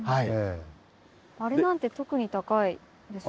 あれなんて特に高いですよね。